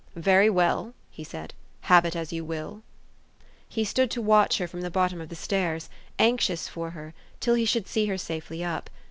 "Very well," he said, "have it as you will." He stood to watch her from the bottom of the stairs, anxious for her, till he should see her safely up.